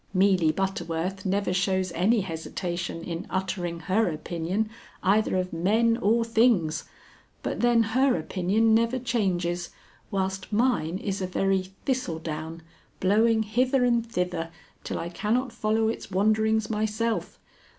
Meeley Butterworth never shows any hesitation in uttering her opinion either of men or things, but then her opinion never changes, whilst mine is a very thistle down, blowing hither and thither till I cannot follow its wanderings myself.